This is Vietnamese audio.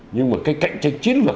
nhưng mà cái cạnh tranh chiến lược